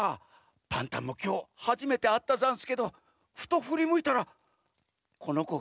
パンタンもきょうはじめてあったざんすけどふとふりむいたらこのこがこっちをみてたざんす。